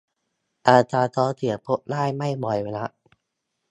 อาการท้องเสียพบได้ไม่บ่อยนัก